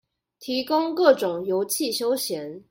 提供各種遊憩休閒